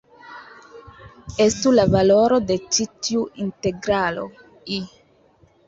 Estu la valoro de ĉi tiu integralo "I".